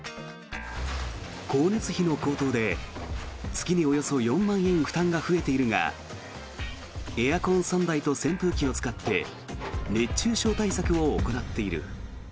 光熱費の高騰で月におよそ４万円負担が増えているがエアコン３台と扇風機を使って熱中症対策を行っている。